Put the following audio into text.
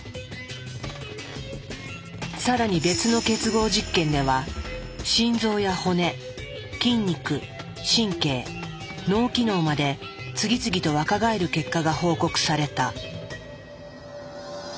更に別の結合実験では心臓や骨筋肉神経脳機能まで次々と若返る結果が報告された。